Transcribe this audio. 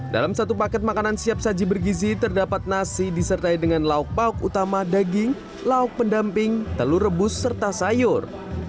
dalam satu paket makanan siap saji bergizi terdapat nasi disertai dengan lauk pauk utama daging lauk pendamping telur rebus serta sayur